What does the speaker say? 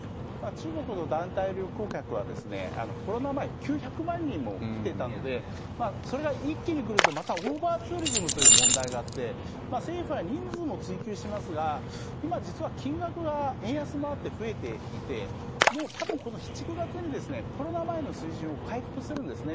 中国の団体旅行客はコロナ前、９００万人も来てたので、それが一気に来るとまたオーバーツーリズムという問題があって、政府は人数も追求しますが、今、実は金額が円安もあって増えていて、もうたぶんこの９月にコロナ前の水準を回復するんですね。